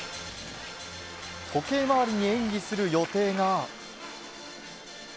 時計回りに演技する予定が。